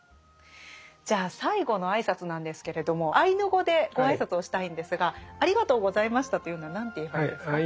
じゃあ最後の挨拶なんですけれどもアイヌ語でご挨拶をしたいんですが「ありがとうございました」というのは何て言えばいいんですか？